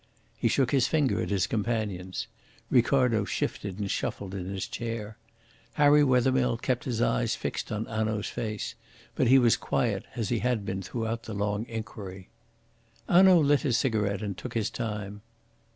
He shook his finger at his companions. Ricardo shifted and shuffled in his chair. Harry Wethermill kept his eyes fixed on Hanaud's face, but he was quiet, as he had been throughout the long inquiry. Hanaud lit a cigarette and took his time.